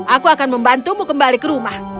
aku akan membantumu kembali ke rumah